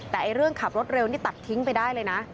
แต่เรื่องขับรถเร็วนี่ตัดทิ้งไปได้เลยนะ